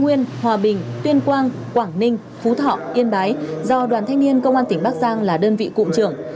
nguyên hòa bình tuyên quang quảng ninh phú thọ yên bái do đoàn thanh niên công an tỉnh bắc giang là đơn vị cụm trưởng